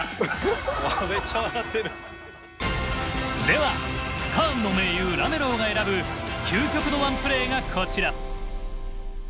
ではカーンの盟友ラメロウが選ぶ究極のワンプレーがこちら。